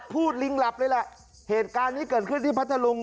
ลิงหลับเลยแหละเหตุการณ์นี้เกิดขึ้นที่พัทธรุง